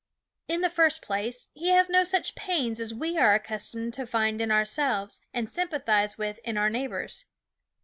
In the first place, he has no such pains as we are accustomed to find in ourselves and sympathize with in our neighbors.